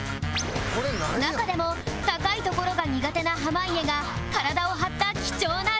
中でも高い所が苦手な濱家が体を張った貴重なロケが！